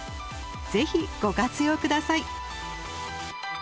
ぜひご活用下さい。